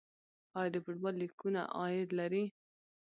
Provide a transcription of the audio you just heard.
آیا د فوټبال لیګونه عاید لري؟